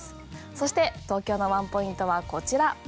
そして東京のワンポイントはこちら。